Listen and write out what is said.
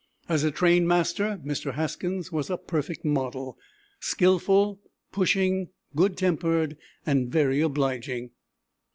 As a train master, Mr. Haskins was a perfect model, skillful, pushing, good tempered, and very obliging.